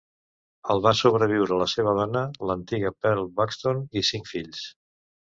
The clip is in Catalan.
El va sobreviure la seva dona, l'antiga Pearl Buxton, i cinc fills.